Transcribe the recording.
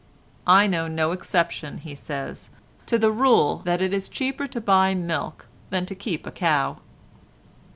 "I know no exception," he says, "to the rule that it is cheaper to buy milk than to keep a cow."